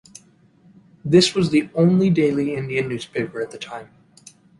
This was the only daily Indian newspaper at the time.